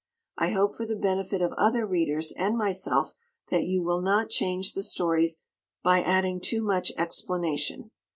I hope for the benefit of other Readers and myself that you will not change the stories by adding too much explanation.